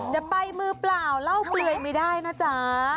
จะไปมือเปล่าเล่าเปลือยไม่ได้นะจ๊ะ